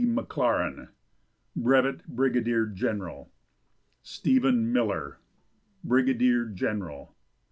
McLaren, Brevet Brigadier General. Stephen Miller, Brigadier General.